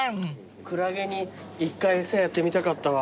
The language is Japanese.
クラゲに一回餌やってみたかったわ。